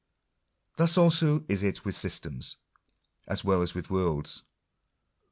Thus also is it with systems, as well as with worlds.